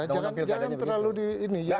jangan terlalu di ini